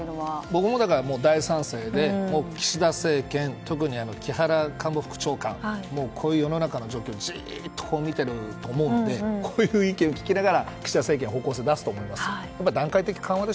僕も大賛成で岸田政権、特に木原官房副長官はこういう世の中の状況をじっと見ていると思うのでこういう意見を聞きながら岸田政権は方向性を出すと思います。